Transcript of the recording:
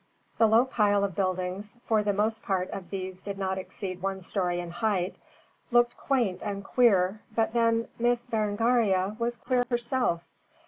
The low pile of buildings for the most part of these did not exceed one story in height looked quaint and queer, but then Miss Berengaria was queer herself.